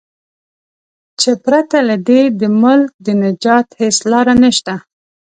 چې پرته له دې د ملک د نجات هیڅ لار نشته.